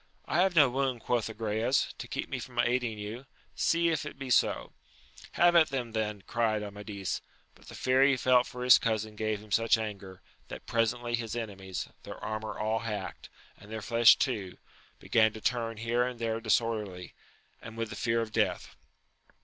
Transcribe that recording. I have no wound, quoth Agrayes, to keep me from aiding you : see if it be so ! Have at them, then I cried Amadis ; but the fear he felt for his cousin gave him such anger, that presently his enemies, their armour all hacked, and their flesh too, began to turn here and there disorderly, and with the fear of death.